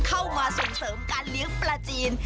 เข้ามาส่งเสริมการเลี้ยงปลาจีน